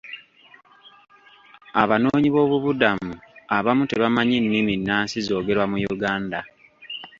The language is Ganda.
Abanoonyi b'obubudamu abamu tebamanyi nnimi nnansi zoogerwa mu Uganda.